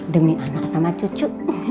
demi anak sama cucu